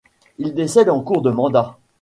Il décède en cours de mandat.